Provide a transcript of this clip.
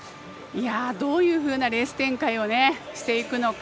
どういうふうなレース展開をしていくのか。